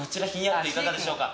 これいかがでしょうか？